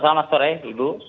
selamat sore ibu